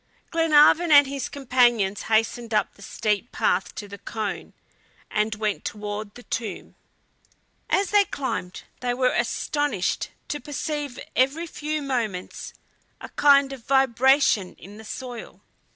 Glenarvan and his companions hastened up the steep path to the cone, and went toward the tomb. As they climbed they were astonished to perceive every few moments a kind of vibration in the soil.